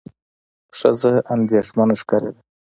ښځه اندېښمنه ښکارېده.